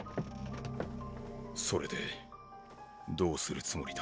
それでどうするつもりだ？